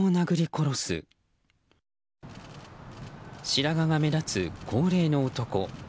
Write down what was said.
白髪が目立つ高齢の男。